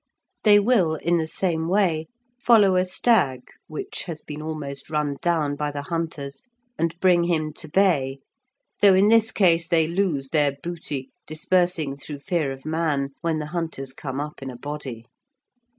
They will in the same way follow a stag, which has been almost run down by the hunters, and bring him to bay, though in this case they lose their booty, dispersing through fear of man, when the hunters come up in a body.